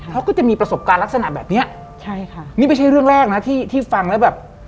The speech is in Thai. เขาก็จะมีประสบการณ์ลักษณะแบบนี้นี่ไม่ใช่เรื่องแรกที่ฟังแล้วแบบ